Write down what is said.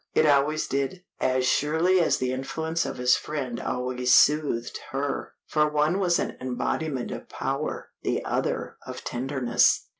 It always did, as surely as the influence of his friend always soothed her, for one was an embodiment of power, the other of tenderness.